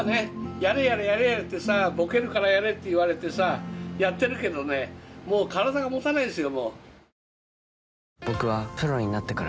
やれやれやれやれってさぼけるからやれって言われてさやってるけどねもう体が持たないんですよ。